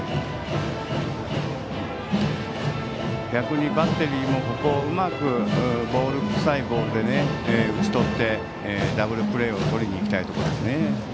逆にバッテリーもここをうまく、くさいボールで打ち取ってダブルプレーをとりにいきたいところですね。